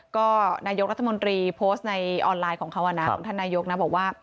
ก็นายกรัฐมนตรีโพสต์ในออนไลน์ของเขานะของท่านนายกนะบอกว่า